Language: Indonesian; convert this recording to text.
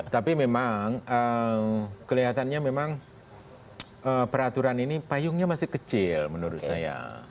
tapi memang kelihatannya memang peraturan ini payungnya masih kecil menurut saya